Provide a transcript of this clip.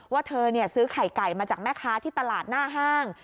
ว่าเธอซื้อไข่ไก่มาจากแม่ค้าที่ตลาดหน้าห้าง